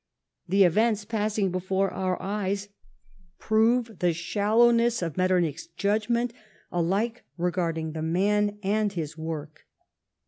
The events passing before our eyes prove the shallowness of Metternich's judgment alike regarding the man and his work.